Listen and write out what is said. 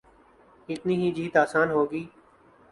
اتنی ہی جیت آسان ہو گی۔